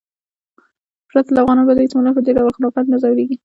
پرته له افغانانو بل هېڅ ملت په دې ډول خرافاتو نه ځورېږي.